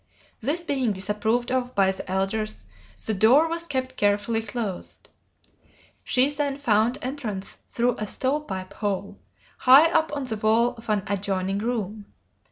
This being disapproved of by the elders, the door was kept carefully closed. She then found entrance through a stove pipe hole, high up on the wall of an adjoining room.